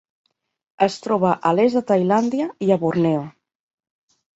Es troba a l'est de Tailàndia i a Borneo.